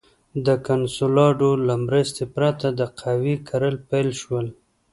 د کنسولاډو له مرستې پرته د قهوې کرل پیل شول.